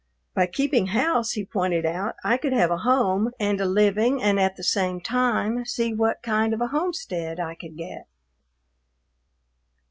By keeping house, he pointed out, I could have a home and a living and at the same time see what kind of a homestead I could get.